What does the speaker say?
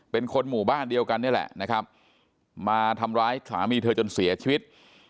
เป็นคนหมู่บ้านเดียวกันนี่แหละนะครับมาทำร้ายสามีเธอจนเสียชีวิต